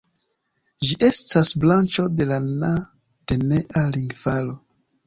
Ĝi estas branĉo de la Na-denea lingvaro.